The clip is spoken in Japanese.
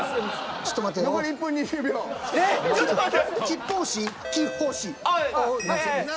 ちょっちょっと待って。